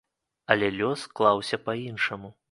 Але лёс склаўся па-іншаму.